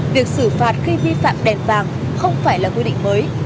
việc xử phạt khi vi phạm đèn vàng không phải là quy định mới